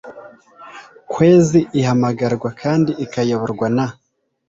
kwezi ihamagarwa kandi ikayoborwa na